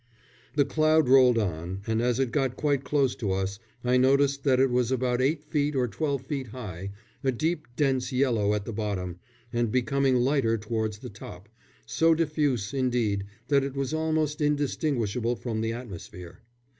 The cloud rolled on, and as it got quite close to us I noticed that it was about eight feet or twelve feet high, a deep, dense yellow at the bottom, and becoming lighter towards the top, so diffuse, indeed, that it was almost indistinguishable from the atmosphere.